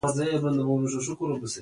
سندره د زړه آه ده